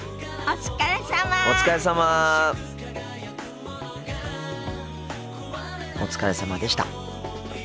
お疲れさまでした。